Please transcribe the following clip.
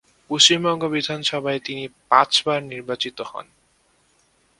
পশ্চিমবঙ্গ বিধানসভায় তিনি পাঁচ বার নির্বাচিত হন।